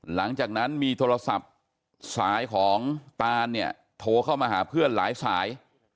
หลังจากนั้นมีโทรศัพท์สายของตานเนี่ยโทรเข้ามาหาเพื่อนหลายสาย